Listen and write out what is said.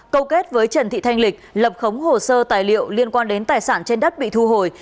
câu kết với trần thị thanh lịch lập khống hồ sơ tài liệu liên quan đến tài sản trên đất bị thu hồi